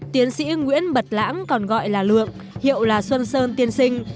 tiến sĩ nguyễn bật lãng còn gọi là lượng hiệu là xuân sơn tiên sinh